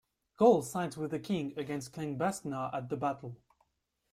Goll sides with the king against Clan Bascna at the battle.